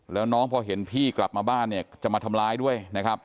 แล้วน้องพอเห็นพี่กลับมาบ้านเนี่ยจะมาทำร้ายด้วยนะครับ